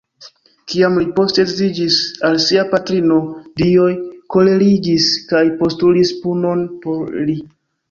Kiam li poste edziĝis al sia patrino, dioj koleriĝis kaj postulis punon por li.